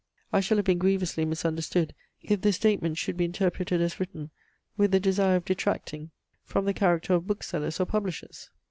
I shall have been grievously misunderstood, if this statement should be interpreted as written with the desire of detracting from the character of booksellers or publishers.